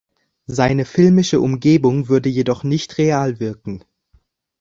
Seine filmische Umgebung würde jedoch nicht real wirken.